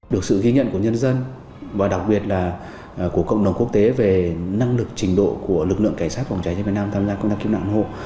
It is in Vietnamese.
được sự ghi nhận của nhân dân và đặc biệt là của cộng đồng quốc tế về năng lực trình độ của lực lượng cảnh sát phòng cháy cháy việt nam tham gia công tác cứu nạn hộ